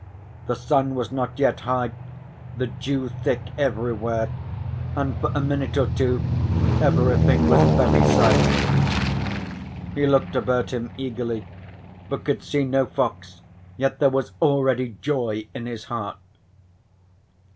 The sun was not yet high, the dew thick everywhere, and for a minute or two everything was very silent. He looked about him eagerly but could see no fox, yet there was already joy in his heart.